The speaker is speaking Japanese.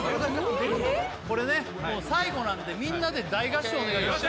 これねもう最後なんでみんなで大合唱お願いします